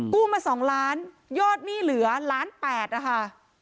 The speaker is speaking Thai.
กู้มา๒ล้านยอดหนี้เหลือล้าน๘นะคะ